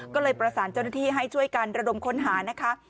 ก็เลยประสานเจ้าหน้าที่ให้ช่วยกันระดมค้นหานะคะ